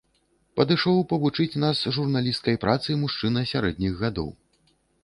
Падышоў павучыць нас журналісцкай працы мужчына сярэдніх гадоў.